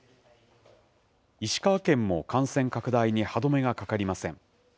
石川県も感染拡大に歯止めがかかりません。